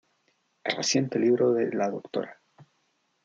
El reciente libro de la Dra.